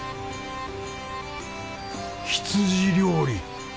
羊料理。